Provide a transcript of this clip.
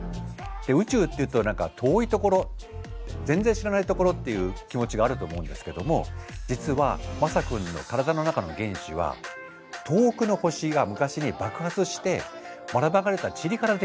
宇宙っていうと何か遠いところ全然知らないところっていう気持ちがあると思うんですけども実はまさ君の体の中の原子は遠くの星が昔に爆発してばらまかれたちりからできてるんです。